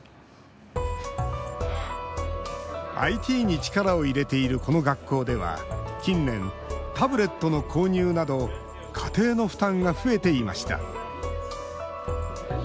ＩＴに力を入れているこの学校では近年、タブレットの購入など家庭の負担が増えていました。